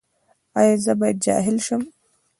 ایا زه باید جاهل شم؟